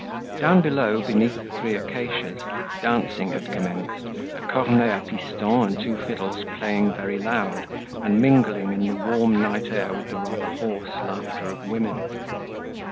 Down below, beneath the three acacias, dancing had commenced, a cornet a piston and two fiddles playing very loud, and mingling in the warm night air with the rather hoarse laughter of women.